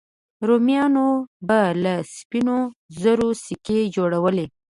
رومیانو به له سپینو زرو سکې جوړولې